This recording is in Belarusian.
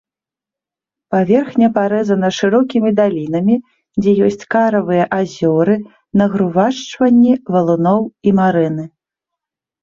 Паверхня парэзана шырокімі далінамі, дзе ёсць каравыя азёры, нагрувашчванні валуноў і марэны.